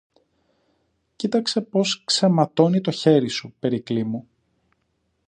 Κοίταξε πώς ξεματώνει το χέρι σου, Περικλή μου!